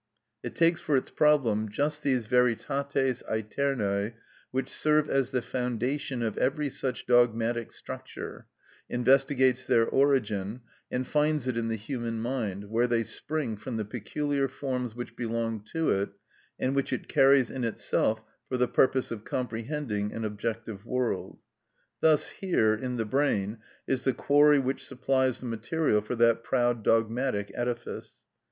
It takes for its problem just these veritates æternæ, which serve as the foundation of every such dogmatic structure, investigates their origin, and finds it in the human mind, where they spring from the peculiar forms which belong to it, and which it carries in itself for the purpose of comprehending an objective world. Thus, here, in the brain, is the quarry which supplies the material for that proud dogmatic edifice.